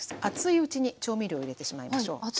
熱いうちに調味料を入れてしまいましょう。